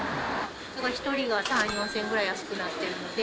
１人が３、４０００円くらい安くなってるので。